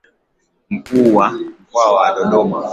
Mkuu wa Mkoa wa Dodoma.